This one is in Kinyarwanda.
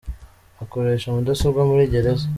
Akoresha mudasobwa muri Gereza